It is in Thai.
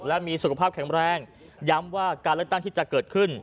และมีสุขภาพแข็งแรงย้ำว่าการเลือกตั้งที่จะเกิดขึ้น